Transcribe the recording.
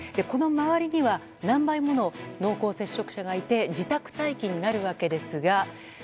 この周りには何倍もの濃厚接触者がいて自宅待機になるわけですが。